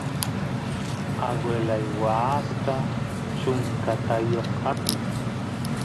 aguelay waasta chunka taayoq apin